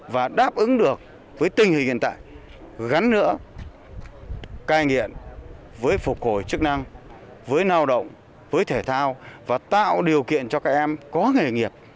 và đáp ứng được với tình hình hiện tại gắn nữa cai nghiện với phục hồi chức năng với lao động với thể thao và tạo điều kiện cho các em có nghề nghiệp